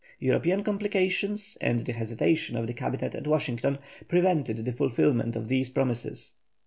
European complications and the hesitation of the cabinet at Washington, prevented the fulfilment of these promises.